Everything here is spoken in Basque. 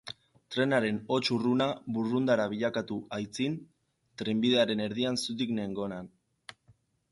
Trenaren hots urruna burrundara bilakatu aitzin, trenbidearen erdian zutik nengonan.